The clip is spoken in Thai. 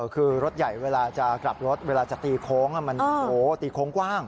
คือรถใหญ่เวลาจะกลับรถเวลาจะตีโค้งมันตีโค้งกว้าง